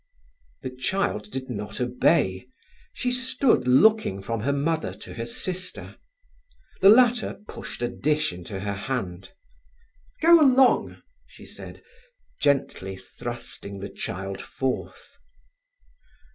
The child did not obey. She stood looking from her mother to her sister. The latter pushed a dish into her hand. "Go along," she said, gently thrusting the child forth.